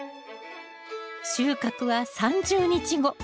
収穫は３０日後。